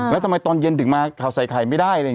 แล้วทำไมตอนเย็นถึงมาข่าวใส่ไข่ไม่ได้เลย